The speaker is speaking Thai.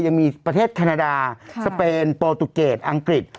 ยังมีประเทศแคนาดาสเปนโปรตุเกตอังกฤษ